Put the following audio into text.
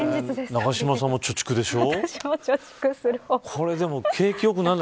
永島さんも貯蓄でしょ。